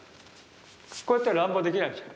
こうやったら乱暴にできないじゃん。